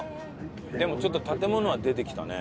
でもちょっと建物は出てきたね。